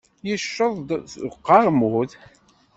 Yecceḍ-d seg uqermud.